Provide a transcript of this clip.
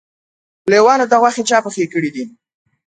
لېوانو ته غوښې چا پخې کړی دي.